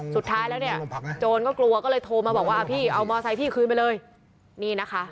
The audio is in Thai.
สุดท้ายแล้วเนี่ยโจรก็กลัวก็เลยโทรมาบอกว่าพี่เอามอไซค์พี่คืนไปเลยนี่นะคะ